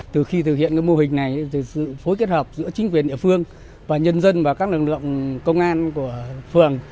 từ khi thực hiện mô hình này sự phối kết hợp giữa chính quyền địa phương và nhân dân và các lực lượng công an của phường